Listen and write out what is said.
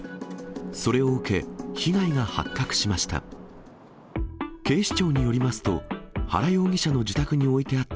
それを受け、被害が発覚しました。